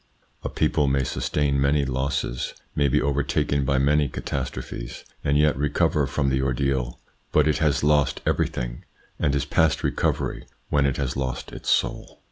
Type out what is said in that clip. A people may sustain many losses, may be overtaken by many catastrophes, and yet recover from the ordeal, but it has lost everything, and is past recovery, when it has lost its soul.